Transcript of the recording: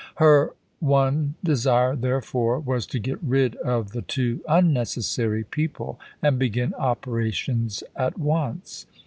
Her one desire, therefore, was to get rid of the two unnecessary people and begin operations at once.